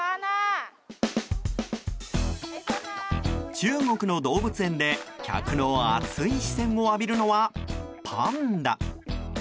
中国の動物園で客の熱い視線を浴びるのはパンダ。